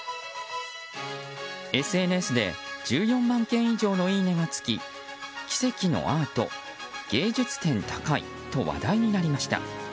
ＳＮＳで１４万件以上のいいねがつき奇跡のアート、芸術点高いと話題になりました。